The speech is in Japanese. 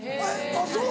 あっそう。